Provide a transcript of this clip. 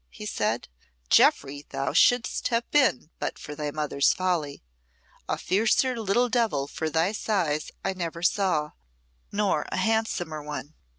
he said. "Jeoffry thou shouldst have been but for thy mother's folly. A fiercer little devil for thy size I never saw nor a handsomer one."